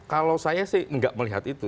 kalau saya sih nggak melihat itu